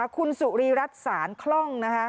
คุณสุริรัตน์สารคร่อง